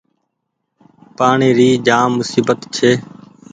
پآڻيٚ ري جآم مسيبت ڇي۔